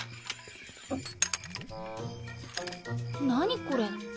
何これ。